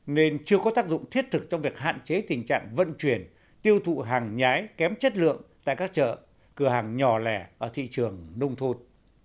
nên chưa có tác dụng thiết thực trong việc hạn chế tình trạng vận chuyển tiêu thụ hàng nhái kém chất lượng tại các chợ cửa hàng nhỏ lẻ ở thị trường nông thôn